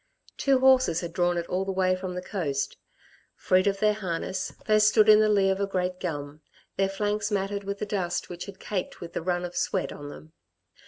Two horses had drawn it all the way from the coast. Freed of their harness, they stood in the lee of a great gum, their flanks matted with the dust which had caked with the run of sweat on them.